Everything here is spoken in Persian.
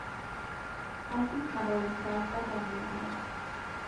از این هوای سرد بدم می آید.